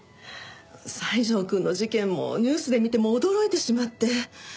西條くんの事件もニュースで見てもう驚いてしまって。